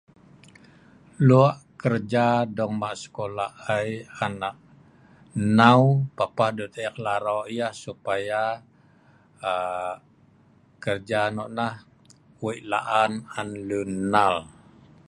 Lok kerja dong hmak sekolah ai anak hnau, papah dut ek lak arok yah supaya aa kerja nok neh wik laan on lun nhal